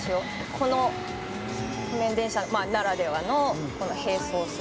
「この路面電車ならではの並走するところ」